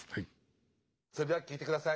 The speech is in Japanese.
それでは聴いてください。